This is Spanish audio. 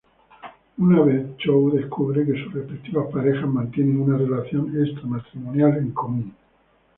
Una vez, Chow descubre que sus respectivas parejas mantienen una relación extra-matrimonial en común.